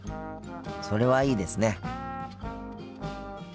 それはいいですね。